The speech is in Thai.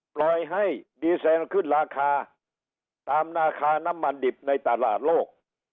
ปล่อยให้ดีเซลขึ้นราคาตามราคาน้ำมันดิบในตลาดโลก